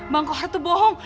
bang kohar tuh bohong